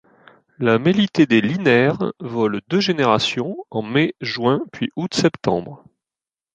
La Mélitée des linaires vole deux générations en mai juin puis août septembre.